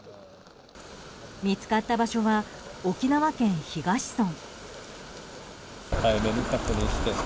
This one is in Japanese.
見つかった場所は沖縄県東村。